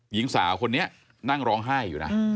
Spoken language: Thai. หญิงสาวคนนี้นั่งร้องไห้อยู่นะ